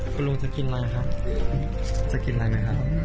คุณลุงจะกินอะไรครับจะกินอะไรไหมครับ